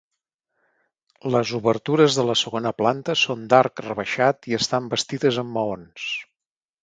Les obertures de la segona planta són d'arc rebaixat i estan bastides amb maons.